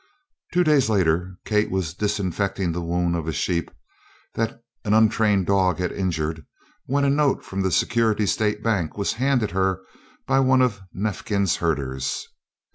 Two days later, Kate was disinfecting the wound of a sheep that an untrained dog had injured when a note from the Security State Bank was handed her by one of Neifkins' herders.